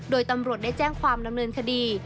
โดยตำรวจได้แจ้งความดำเนินคดี